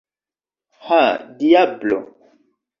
Ha, diablo!